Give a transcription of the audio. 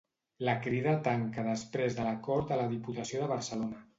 La Crida tanca després de l'acord a la Diputació de Barcelona.